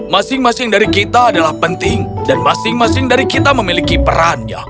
masing masing dari kita adalah penting dan masing masing dari kita memiliki perannya